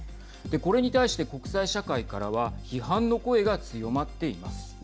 これに対して国際社会からは批判の声が強まっています。